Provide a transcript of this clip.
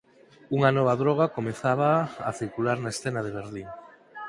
Unha nova droga comezaba a circular na escena de Berlín.